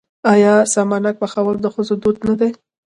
آیا سمنک پخول د ښځو دود نه دی؟